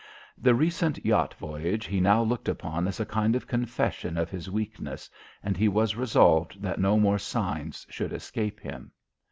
The recent yacht voyage he now looked upon as a kind of confession of his weakness, and he was resolved that no more signs should escape him.